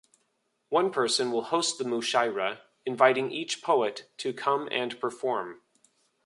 One person will host the mushaira, inviting each poet to come and perform.